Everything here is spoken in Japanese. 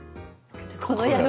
この野郎。